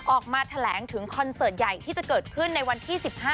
ออกมาแถลงถึงคอนเสิร์ตใหญ่ที่จะเกิดขึ้นในวันที่๑๕